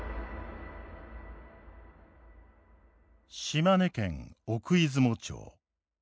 島根県奥出雲町。